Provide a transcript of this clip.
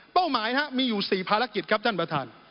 หมายมีอยู่๔ภารกิจครับท่านประธาน